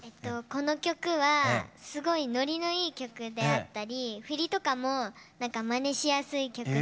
この曲はすごいノリのいい曲であったり振りとかも何かマネしやすい曲で。